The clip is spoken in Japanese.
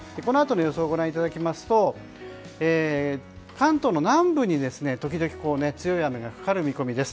このあとの予想ご覧いただきますと関東の南部に、時々強い雨がかかる見込みです。